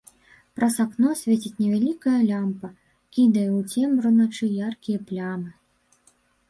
Праз акно свеціць невялікая лямпа, кідае ў цемру ночы яркія плямы.